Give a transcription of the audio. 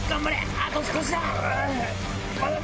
あと少しだ！